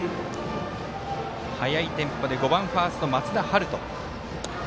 速いテンポでバッター５番ファースト松田陽斗。